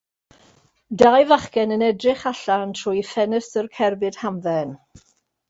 Dau fachgen yn edrych allan trwy ffenestr cerbyd hamdden.